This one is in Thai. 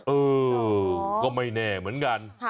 เออก็ไม่แน่เหมือนกัน